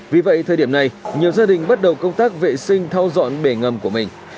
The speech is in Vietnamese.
vì vậy thời điểm này nhiều gia đình bắt đầu công tác vệ sinh thau dọn bể ngầm của mình